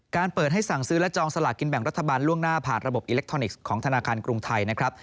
เปิดให้สั่งซื้อและจองสลากินแบ่งรัฐบาลล่วงหน้าผ่านระบบอิเล็กทรอนิกส์ของธนาคารกรุงไทยนะครับ